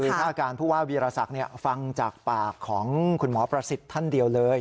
คือถ้าอาการผู้ว่าวีรศักดิ์ฟังจากปากของคุณหมอประสิทธิ์ท่านเดียวเลย